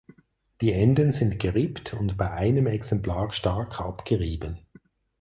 Die Enden sind gerippt und bei einem Exemplar stark abgerieben.